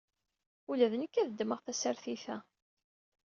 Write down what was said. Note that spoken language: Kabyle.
Ula d nekk ad ddmeɣ tasertit-a.